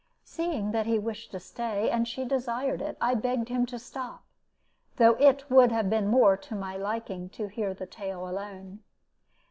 Seeing that he wished to stay, and that she desired it, I begged him to stop, though it would have been more to my liking to hear the tale alone.